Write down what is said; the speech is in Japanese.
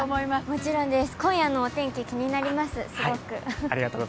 もちろんです、今夜のお天気気になります、すごく。